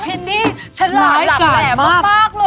อัพรินนี่ฉันหลากแหลมมากเลยอะสุดแล้วรายการมาก